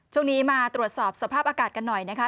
ช่วงนี้มาตรวจสอบสภาพอากาศกันหน่อยนะคะ